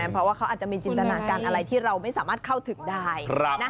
เพราะว่าเขาอาจจะมีจินตนาการอะไรที่เราไม่สามารถเข้าถึงได้